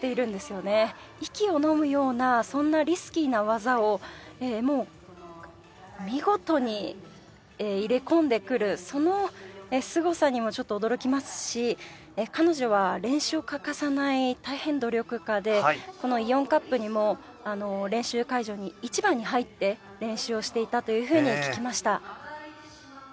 息をのむようなそんなリスキーな技をもう見事に入れ込んでくるそのすごさにもちょっと驚きますし彼女は練習を欠かさない大変努力家でこのイオンカップにも練習会場に一番に入って練習をしていたというふうに聞きました。